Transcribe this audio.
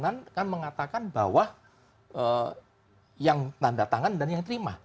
kan mengatakan bahwa yang tanda tangan dan yang terima